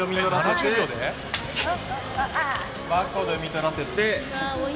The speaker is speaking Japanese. バーコードを読み取らせて。